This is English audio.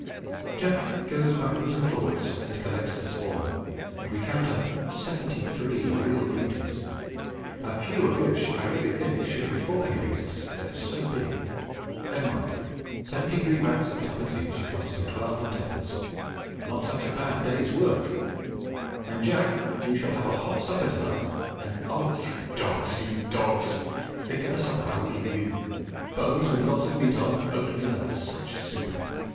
Jack goes backwards and forwards and collects the spoil, and we count up seventy three real beauties, a few of which I really think should be fourpenny beasts, they are so big. Never mind, seventy three rats at twopence each comes to twelve and twopence not such a bad day's work; and, Jack, you shall have a hot supper to night; and oh, you dogs, you dogs, think of the supper I will give you! Bones with lots of meat on, oatmeal and such soup!